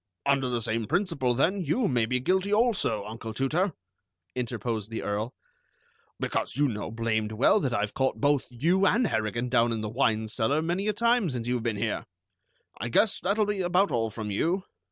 "Under the same principle, then, you may be guilty also, Uncle Tooter," interposed the Earl, "because you know blamed well that I've caught both you and Harrigan down in the wine cellar many a time since you've been here. I guess that'll be about all from you."